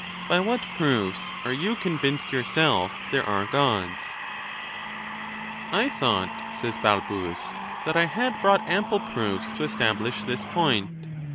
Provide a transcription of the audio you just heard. By what proofs are you convinced yourself there are Gods ? VIII. I thought,'says Balbus, that I had brought ample proofs to establish this point.